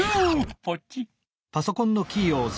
ポチッ。